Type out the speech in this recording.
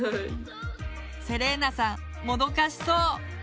セレーナさんもどかしそう。